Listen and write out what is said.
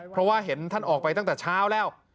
เพราะว่าเห็นท่านออกไปตั้งแต่เช้าแล้ว